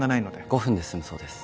５分で済むそうです。